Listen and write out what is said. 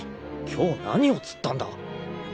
今日何を釣ったんだ？